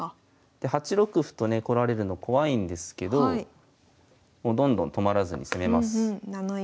で８六歩とね来られるの怖いんですけどもうどんどん止まらずに攻めます。